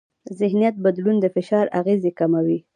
ذهنیت بدلون د فشار اغېزې کموي.